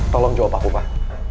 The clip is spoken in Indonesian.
tolong jawab aku pak